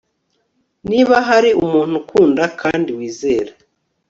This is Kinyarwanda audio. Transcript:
niba hari umuntu ukunda kandi wizera